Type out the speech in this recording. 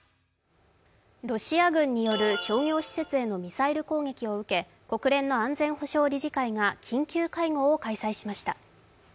ロシア軍による商業施設へのミサイル攻撃を受け国連の安全保障理事会が緊急会合を開催しました。